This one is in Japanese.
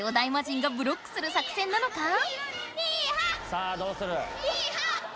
さあどうする？